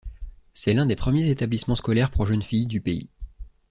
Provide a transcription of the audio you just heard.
C'est l'un des premiers établissements scolaires pour jeunes filles du pays.